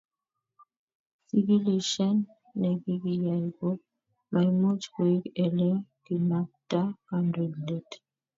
chikilishet ne kikiyai ko maimuch koik ele kimakta kandoindet